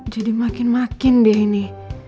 jadi makin makin dia ini